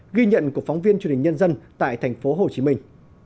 ghi nhận của phóng viên truyền hình nhân dân tại thành phố hồ chí minh